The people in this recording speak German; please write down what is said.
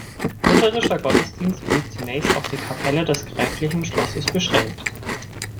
Lutherischer Gottesdienst blieb zunächst auf die Kapelle des gräflichen Schlosses beschränkt.